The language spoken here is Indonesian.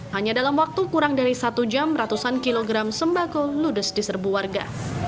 hanya dalam waktu kurang dari satu jam ratusan kilogram sembako ludes di serbu warga